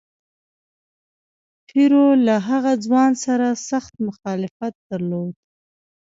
پیرو له هغه ځوان سره سخت مخالفت درلود.